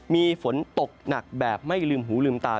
มีฝนตกหนักแบบไม่ลืมหูลืมตา